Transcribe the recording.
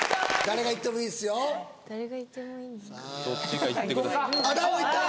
誰がいってもいいんですか？